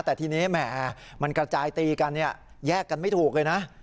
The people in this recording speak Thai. แต่ทีนี้แหมมันกระจายตีกันเนี่ยแยกกันไม่ถูกเลยนะ